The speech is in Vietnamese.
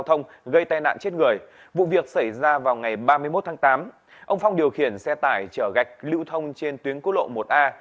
ông phong điều khiển xe tải chở gạch lưu thông trên tuyến cốt lộ một a